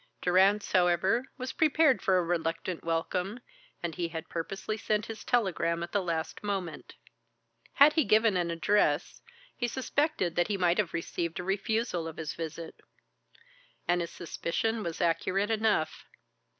Durrance, however, was prepared for a reluctant welcome, and he had purposely sent his telegram at the last moment. Had he given an address, he suspected that he might have received a refusal of his visit. And his suspicion was accurate enough.